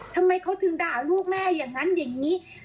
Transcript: ทำไมเขาถึงด่าลูกแม่อย่างนั้นอย่างนี้